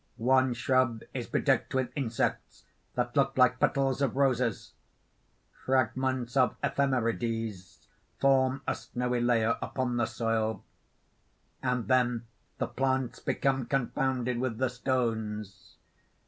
One shrub is bedecked with insects that look like petals of roses; fragments of ephemerides form a snowy layer upon the soil._ _And then the plants become confounded with the stones.